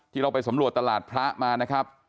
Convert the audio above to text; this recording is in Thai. เราไปสำรวจตลาดพระมานะครับ